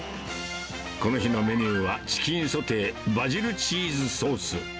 この日のメニューは、チキンソテーバジルチーズソース。